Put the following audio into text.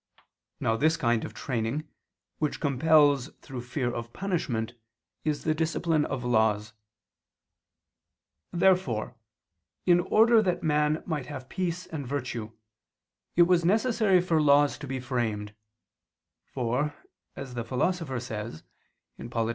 Now this kind of training, which compels through fear of punishment, is the discipline of laws. Therefore in order that man might have peace and virtue, it was necessary for laws to be framed: for, as the Philosopher says (Polit.